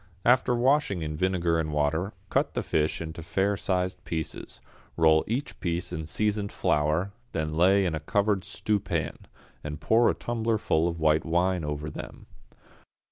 After washing in vinegar and water, cut the fish into fair sized pieces, roll each piece in seasoned flour, then lay in a covered stewpan, and pour a tumblerful of white wine over them.